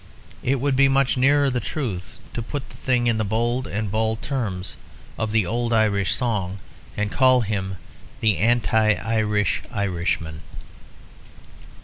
It would be much nearer the truth to put the thing in the bold and bald terms of the old Irish song, and to call him "The anti Irish Irishman."